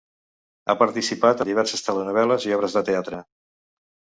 Ha participat en diverses telenovel·les i obres de teatre.